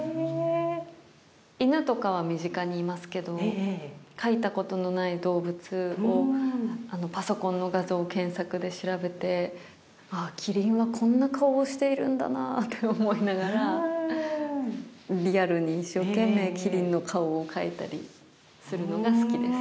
犬とかは身近にいますけど描いたことのない動物をパソコンの画像検索で調べてあっキリンはこんな顔をしているんだなって思いながらリアルに一生懸命キリンの顔を描いたりするのが好きです。